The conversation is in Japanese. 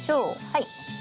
はい。